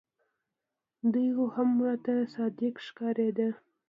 دى خو هم راته صادق ښکارېده.